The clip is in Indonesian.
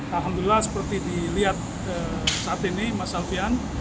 alhamdulillah seperti dilihat saat ini mas alfian